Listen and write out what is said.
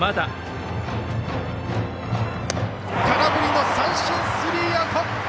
空振りの三振スリーアウト！